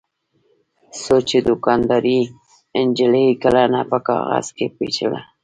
څو چې دوکاندارې نجلۍ کلنه په کاغذ کې پېچله.